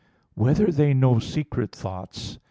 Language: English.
(4) Whether they know secret thoughts?